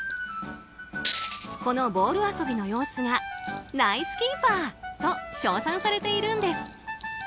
このボール遊びの様子がナイスキーパーと称賛されているんです。